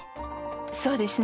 そうですね！